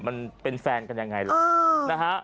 มันเป็นแฟนกันยังไงล่ะนะฮะ